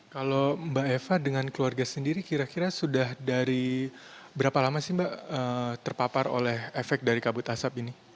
kalau mbak eva dengan keluarga sendiri kira kira sudah dari berapa lama sih mbak terpapar oleh efek dari kabut asap ini